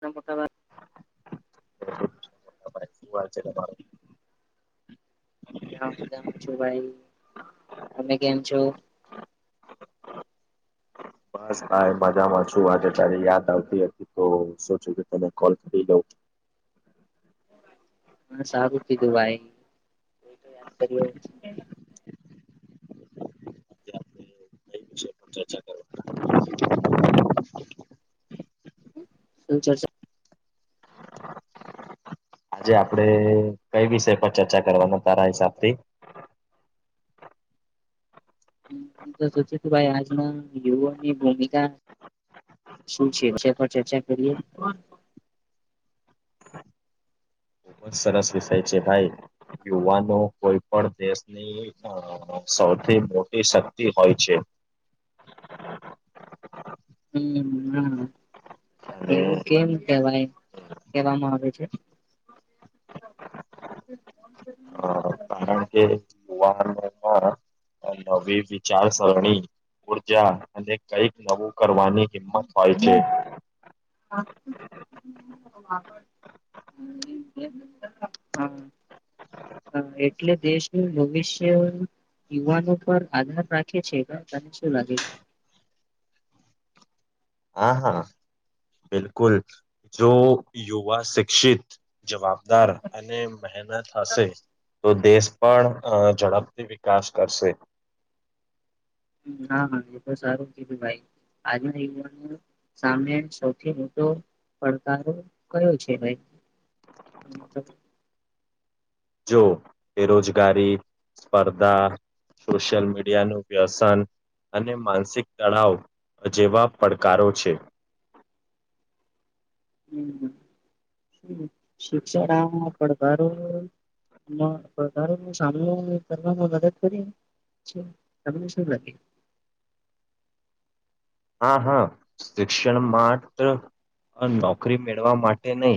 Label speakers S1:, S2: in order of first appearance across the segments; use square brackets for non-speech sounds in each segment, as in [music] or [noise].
S1: ના [inaudible]
S2: [inaudible] [inaudible] [inaudible]
S1: મજા મજા છું ભાઈ તમે કેમ છો
S2: બસ ભાઈ મજામાં છુ શું વાત તારી યાદ આવતી હતી તો સોયચુ કે તને કોલ કરી દઉં
S1: હ સારું કીધું ભાઈ યાદ [inaudible]
S2: એ વિષ પર ચર્ચા કરવા
S1: ચર્ચા
S2: આજ આપડે કઈ વિષય પર ચર્ચા કરવાના તારા હિસાબથી
S1: હું તો સોચુ ભાઈ આજના યુવા ની ભૂમિકા શું છે વિશે પર ચર્ચા કરએ.
S2: ખૂબ જ સરસ વિષય છે ભાઈ યુવાનો કોઈ પણ દેશની અસૌથી મોટી શક્તિ હોય છે [inaudible]
S1: હમ હા
S2: અને
S1: એવું કેમ કેવાય કેવામા આવે છે.
S2: અ
S1: [unintelligible]
S2: કારણ કે યુવાનો દ્વારા નવી વિચારસરણી ઉર્જા અને કઈક નવુ કરવાની હિંમત હોય છે
S1: [unintelligible] [unintelligible] હા, એટલે દેશનુ ભવિષ્ય યુવાનો પર આધાર રાખે છે, તને શું લાગે છે
S2: [unintelligible] હા, હા, બિલકુલ, જો યુવા શિક્ષિત જવાબદાર અને મહેનત હશે તો દેશ પણ અ ઝડપથી વિકાસ કરશે
S1: હા, હા, એ તો સારું કીધુ ભાઈ આજના યુવાનો સામે સૌથી મોટો પડકારો કયો છે, ભાઈ
S2: જો બેરોજગારી, સ્પર્ધા સોશિયલ મીડિયાનુ વ્યસન અને માનસિક તળાવ જેવા પડકારો છે. [inaudible]
S1: શિક્ષણ પડકારોનુ ના વધારે સા કરવા મદદ કરીને તમને શું લાગ્યું?
S2: હા હા શિક્ષણ માત્ર નોકરી મેળવા માટે નહી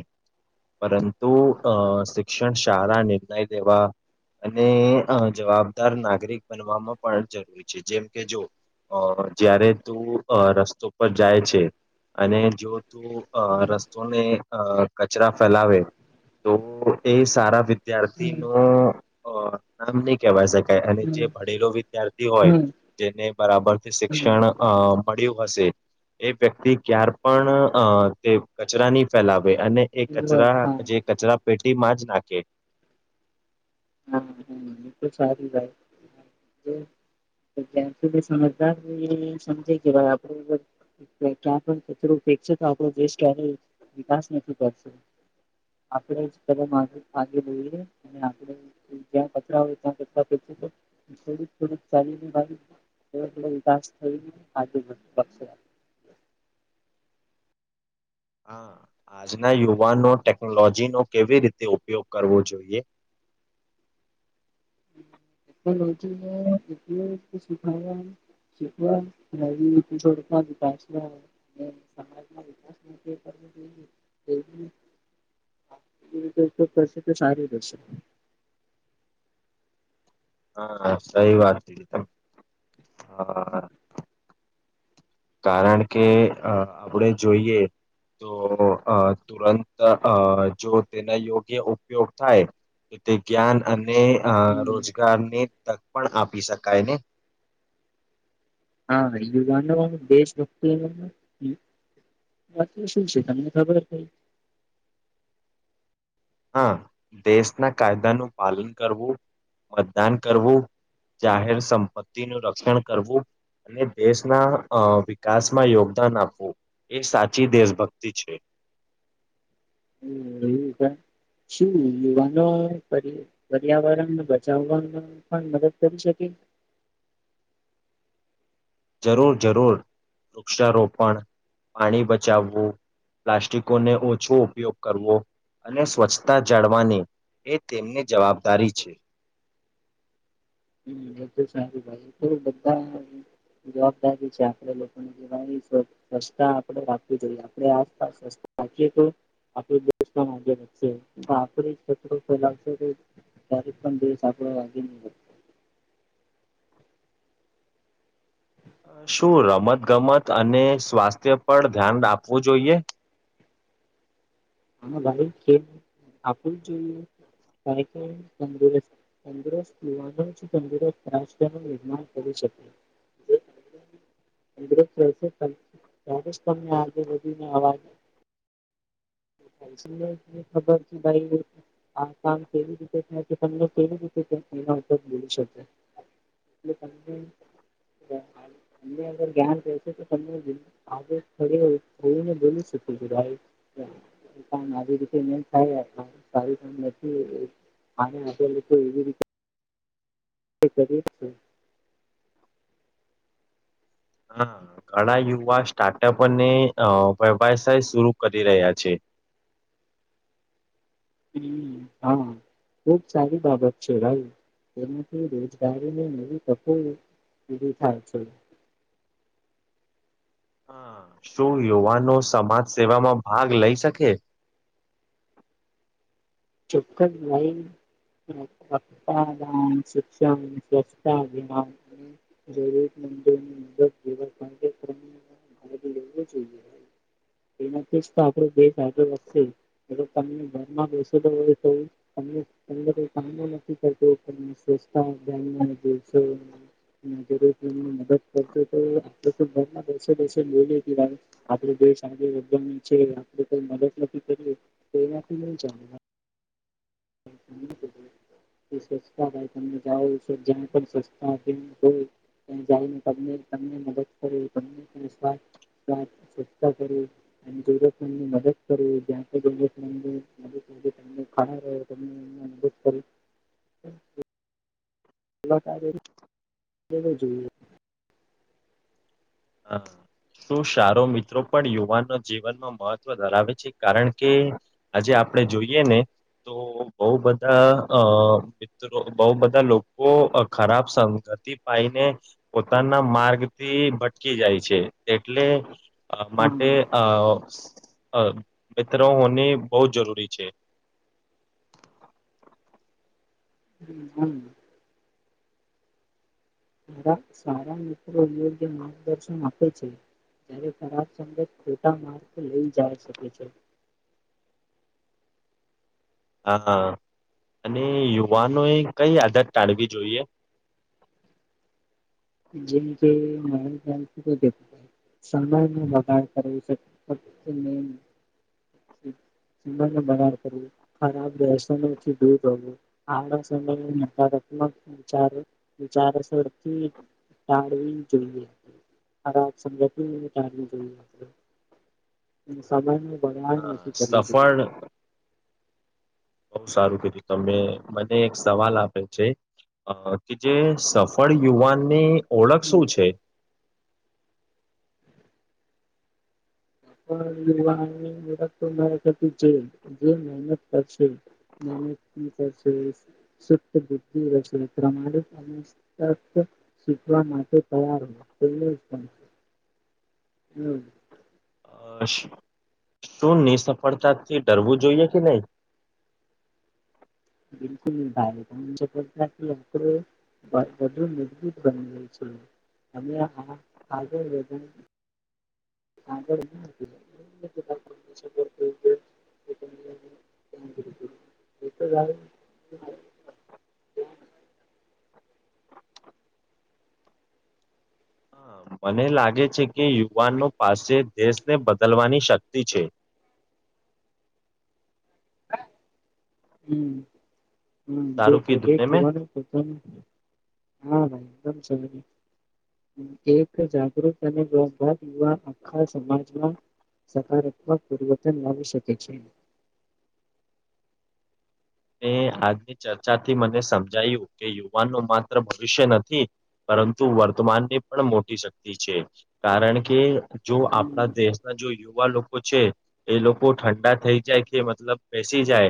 S2: પરંતુ અ શિક્ષણ શાળા નિર્ણય લેવા અને જવાબદાર નાગરિક બનવામાં પણ જરૂરી છે જેમ કે જો અ જયારે તું રસ્તો પર જાય છે અને જો તું રસ્તોને અ કચરા ફેલાવે તો એ સારા વિદ્યાર્થી
S1: હમ
S2: ન અ આમ નહી કેવાય શકાય અને જે ભણેલો વિદ્યાર્થી હોય
S1: હમ
S2: જેને બરાબર શિક્ષણ અ મળ્યું હશે એ વ્યક્તિ ક્યાર પણ અ તે કચરા નહી ફેલાવે અને એ
S1: બર
S2: કચરા
S1: હા
S2: જે કચરા પેટીમાં જ નાખે.
S1: એ સારી થાય. તો ત્યાં સુધી સમજદાર એ સમજે કે ભાઈ આપડે પણ ક્યાં કોઈ કચરો ફેકશે તો આપણો દેશ ક્યારે વિકાસ નથી કરતો આપડે બધા સાથે મળીને જોઈએ અને જ્યાં પરાય [unintelligible] [unintelligible] વિકાસ થઈ
S2: [unintelligible] હા. આજના યુવાનો ટેકનોલોજીનો કેવી રીતે ઉપયોગ કરવો જોઈએ. [unintelligible]
S1: ટેકનોલોજીને [unintelligible] સખાયા [unintelligible] [unintelligible] એ રીતે તો કરશે તો સારું રહેશે
S2: હા, સહી વાત છે તમે હા કારણ કે આપણેે જોઈએ તો અતુરંત અ જો તેના યોગ્ય ઉપયોગ થાય એ જ્ઞાન અને અને
S1: હમ્મ
S2: રોજગારને તક પણ આપી શકાય ને
S1: હા વુગનું દેશભક્તિ એ વાકી શું છે તમને ખબર કઈ
S2: [unintelligible] હા દેશના કાયદાનું પાલન કરવું મતદાન કરવું જાહેર સંપત્તિ નું રક્ષણ કરવું અને દેશના વિકાસમાં યોગદાન આપવું એ સાચી દેશભક્તિ છે [inaudible]
S1: હમ એું છે શું યુવાનો પર્યાવરણ બચાવવાવામાં પણ મદદ કરી શકે
S2: [inaudible] જરૂર જરૂર વૃક્ષારોપણ પાણી બચાવવું પ્લાસ્ટિકોને ઓછો ઉપયોગ કરવો અને સ્વચ્છતા જાળવાની એ તેમની જવાબદારી છે
S1: હમ્મ સારું ભાઈ તો બધા જવાબદારી છે આપે લોકોની દિવા સ્વચ્છતા આપડે રાખવી જોઈએ આપે આસપાસ બાકીી તો આપ દેશ પણ આગે વધશે પણ આપું કત્ર ફેલાવશે કે ક્યારેક પણ દેશ હ દિન
S2: [inaudible] અ શું રમતગમત અને સ્વાસ્થ્ય પર ધ્યાન આપવું જોઈએ?
S1: હહ આપવું જ જોઈએ. કારણ કે તંદુરસ્ત તંદુરસ્ત યુવાનો જ તંદુરસ્ત રાષ્ટ્રનું નિર્માણ કરે છે.
S2: [inaudible]
S1: તંદુરસ્ત રહેશે ત્યારે જ તમને આગળ વધીને આવા દે તમને ખબર છે ભાઈ આ કામ કેવી રીતે થાય છે તમને કેવી રીતે તે એના ઉપર બોલી શકે એટલે તમને તમને અગર ધ્યાન રહેશે તો તમને આજે ખોલીને બોલી શક ભાઈ આ કામ આવી રીતે નહીં થાય આ કામ નથી આને અત્યાર લોકો એવી રીતે કરે જ છે
S2: હા ઘણા યુવા સ્ટાર્ટપ અને અ વ્યવસાય શુરુ કરી રહ્યા છે. [inaudible]
S1: હમ હા ખૂબ સારી બાબત છે ભાઈ કેમ કે રોજગારીને નવી તકો ઉભી થાય છે.
S2: [inaudible] હહ શું યુવાનો સમાજસેેવામાં ભાગ લઈ શકે? [inaudible]
S1: ચોક્કસ લઈ દાન, શિક્ષણ, સ્વચ્છતા અભિમાન અને જરૂરી એવા કાર્યક્રમમાં ભાગ લેવો જોઈએ ભાઈ એ નથી જ તો આપણો બે ફાયદો વધશે એ તો તમને ઘરમાં બેસું એ તો હવે કોઈ તમને તમને કોઈ કામે નથી કરતું સ્વચ્છતા અભિયાનમાં જે તમ જરૂરત મંદને મદદ કરશે તો આપણે તો ઘરમાં દસે દસે દેશ આગળ વધવાનો છે આપણે કોઈ મદદ નક્કી કરીએ તો એનાથી નહીં જામે ભાઈ [inaudible] એ સ્વચ્છતા થાય તમે જાઓ છો જ્યાં પણ સ્વચ્છતા અભિયાન હોય [unintelligible] ક્યાંય જાઓ ને તમને તમને મદદ કરે તમને નિસ્વાર્થ [unintelligible] સ્વચ્છતા કરવું અને જરૂરત મંદની મદદ કરવું, જ્યાંથી જરૂરત મંદની મદદ તેથી તમને ખડા રહો તમને અહીંયા મદદ કરે. લેવો જોઈએ.
S2: હા. શું સારો મિત્રો પણ યુવાનનો જીવનમાં મહત્વ ધરાવે છે કારણ કે આજે આપ આપણે જોઈએ ને, તો બહુ બધા અ મિત્રો બહુ બધા લોકો ખરાબ સંગતિ પાઈને, પોતાના માર્ગથી ભટ કી જાય છે એટલે, અ માટે
S1: હા
S2: અ અ મિત્ર હોની બહુ જરૂરી છે. [inaudible]
S1: હમ હમ. સારા સારા મિત્રો યોગ્ય માર્ગદર્શન આપે છે. જ્યારે ખરાબ સંગત ખોટા માર્ગ લઈ જાય શકે છે.
S2: [inaudible] હા, અને યુવાનોએ કઈ આદત ટાળવી જોઈએ? [inaudible]
S1: [unintelligible] સમયમાં વધાર કરવું છે. બાર કરવું ખરાબસ દૂર હોવું, સમ વિચાર વિચારસ વડતી ટાવી જોઈએ, ટાવી જોઈએ. સમય ન બગવાન
S2: હા
S1: નથી કરવું
S2: સફળ
S1: જોઈએ.
S2: બહુ સારું કીધું તમે મને એક સવાલ આપે છે. અ કે જે સફળ યુવાનની ઓળખ શું છે? [inaudible]
S1: યુવાનીળખ જે જે મહેનત કરશે. બધિ પ્રમાણ [unintelligible] માટે તૈયાર હોય પ
S2: [inaudible]
S1: હમ.
S2: શું ની સફળતાથી ડરવું જોઈએ કે નહી?
S1: બિલકુલ ભારે પણું મજબૂત બની ગય છે. અમે હા ખગો વજન [unintelligible] [unintelligible] એ તો [unintelligible]
S2: મને લાગે છે કે યુવાનો પાસે દેશને બદલવાની શક્તિ છે. [inaudible]
S1: હમ. હમ
S2: સારું
S1: જોવા ત
S2: કીધું ને મેં?
S1: હા ભાઈ એકદમ સર. એક જાગૃત અને લોભ યુવા આખા સમાજમાં સકારાત્મક પરિવર્તન લાવી શકે છે.
S2: [inaudible] એ આજની ચર્ચાથી મને સમજાયું કે યુવાનનું માત્ર ભવિષ્ય નથી પરંતુ વર્તમાનને પણ મોટી શક્તિ છે કારણ કે જો
S1: હમ
S2: આપણા દેશના જો એવા લોકો છે એ લોકો ઠંડા થઈ જાય કે મતલબ બેસી જાય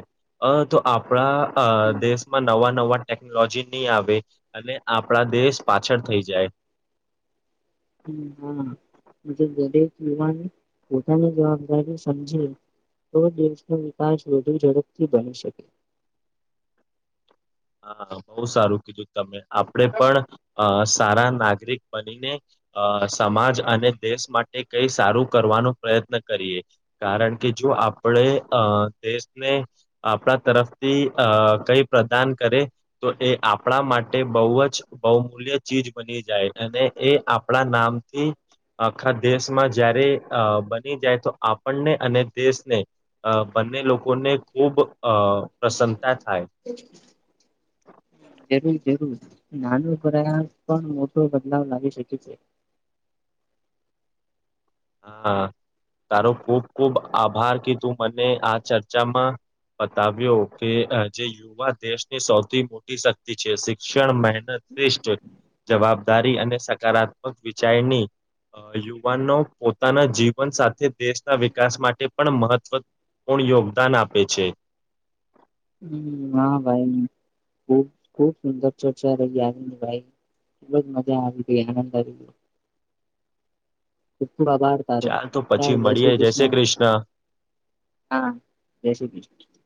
S2: તો આપણા અ
S1: હમ
S2: દેશમાં નવા નવા ટેકનોલોજી નહીં આવે અને આપણા દેશ પાછળ થઈ જાય
S1: હમ્મ હમ્મ દરેક યુવાન પોતાની જવાબદારી સમજે. તો દેશનો વિકાસ વધુ ઝડપથી બની શકે.
S2: હા બહૂ સારું કીધું તમે આપડે પણ સારા નાગરિક બનીને અ સમાજ અને દેશ માટે કઈ સારું કરવાનો પ્રયત્ન કરીએ કારણ કે જો આપણે દેશને આપણા તરફથી અ કઈ પ્રદાન કરે તો એ આપણા માટે બહુ જ બહુમૂલ્ય ચીજ બની જાય અને એ આપ આપણા નામથી આખા દેશમાં જયારે અ બની જાય તો આપણને અને દેશને એને લોકોને ખૂબ પ્રસન્નતા થાય.
S1: [inaudible]
S2: [inaudible]
S1: જરૂર જરૂર નાનો પ્રયાસ પણ મોટો બદલાવ લાગી શકે છે.
S2: [inaudible] હા તારો ખુબ ખુબ આભાર કે તું મને આ ચર્ચામાં બતાવ્યો કે જે યુવા દેશની સૌથી મોટી શક્તિ છે, શિક્ષણ, મહેનત શ્રેષ્ઠ જવાબદારી અને સકારાત્મક વિચારની યુવાનો પોતાના જીવન સાથે દેશના વિકાસ માટે પણ મહત્વ પુણ્ય યોગદાન આપે છે.
S1: હમ્મ હા ભાઈ ખૂબ ખૂબ સુંદર ચર્ચા રહી આંનદ ભાઈ એટલો જ મજા આવી ગઈ આનંદ આવી ગયો. ખુબ ખુબ આભાર તારો
S2: ચાલ તો પછી મળીએ જય શ્રી કૃષ્ણ
S1: હા જય શ્રી ક્રિષ્ના